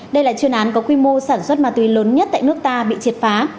đây là chuyên án có quy mô sản xuất ma túy lớn nhất tại nước ta bị triệt phá